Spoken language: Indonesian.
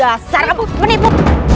jasar kamu menipu